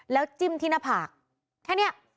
แล้วจิ้มที่หน้าผากแค่นี้